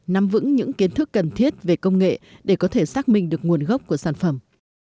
nắm vững những kiến thức cần thiết về công nghệ để có thể xác minh được nguồn gốc của sản phẩm